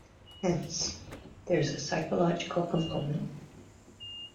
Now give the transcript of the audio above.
Hence, there is a psychological component.